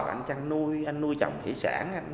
anh nuôi chồng hải sản